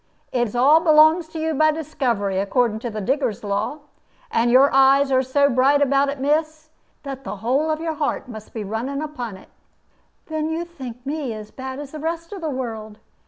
It all belongs to you by discovery, according to the diggers' law. And your eyes are so bright about it, miss, that the whole of your heart must be running upon it." "Then you think me as bad as the rest of the world!